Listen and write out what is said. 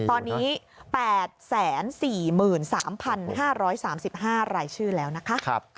ตอนนี้๘๔๓๕๓๕รายชื่อแล้วนะคะ